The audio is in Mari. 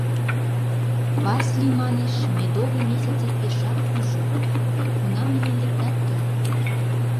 — Васли, манеш, «медовый месяцет» пешак кужу, кунам илен лектат гын?..